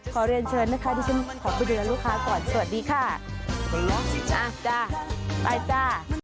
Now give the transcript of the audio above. ขอเรียนเชิญนะคะดิฉันขอบคุณลูกค้าก่อนสวัสดีค่ะ